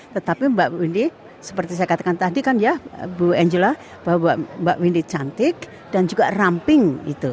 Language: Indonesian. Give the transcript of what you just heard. tetapi mbak windy seperti saya katakan tadi kan ya bu angela bahwa mbak windy cantik dan juga ramping